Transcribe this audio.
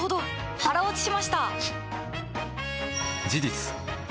腹落ちしました！